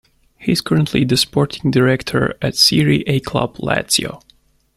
He is currently the sporting director at Serie A club Lazio.